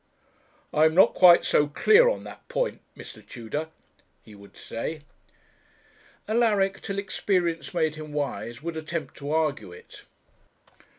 'I am not quite so clear on that point, Mr. Tudor,' he would say. Alaric, till experience made him wise, would attempt to argue it.